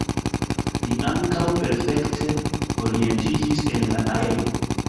Li ankaŭ perfekte orientiĝis en la aero.